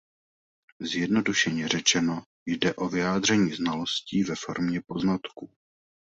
Zjednodušeně řečeno jde o vyjádření znalostí ve formě poznatků.